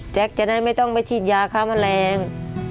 จะได้ไม่ต้องไปฉีดยาฆ่าแมลง